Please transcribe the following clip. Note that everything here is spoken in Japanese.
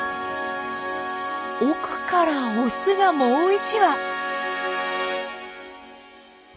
奥からオスがもう１羽！